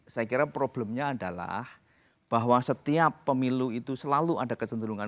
saya kira problemnya adalah bahwa setiap pemilu itu selalu ada kecenderungan